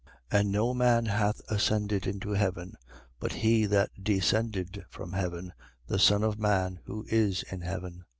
3:13. And no man hath ascended into heaven, but he that descended from heaven, the Son of man who is in heaven.